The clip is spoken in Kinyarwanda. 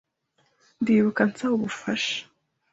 Ndibuka ansaba ubufasha.